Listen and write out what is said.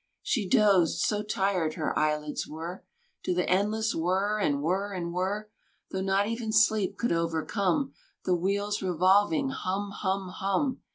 She dozed so tired her eyelids were To the endless whirr, and whirr, and whirr; Though not even sleep could overcome The wheel's revolving hum, hum, hum!